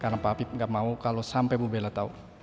karena papip gak mau kalau sampai bu bella tau